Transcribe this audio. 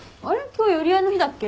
今日寄り合いの日だっけ。